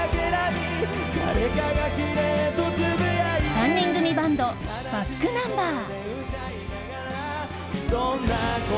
３人組バンドｂａｃｋｎｕｍｂｅｒ。